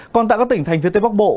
còn tại các tỉnh thành phía tây bắc bộ